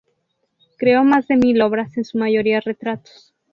Creó más de mil obras, en su mayoría retratos.